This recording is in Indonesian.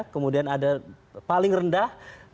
kemudian ada paling rendah